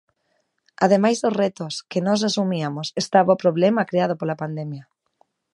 Ademais dos retos que nós asumiamos estaba o problema creado pola pandemia.